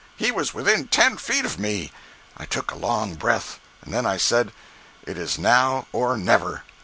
He was within ten feet of me! I took a long breath,—and then said I, 'It is now or never.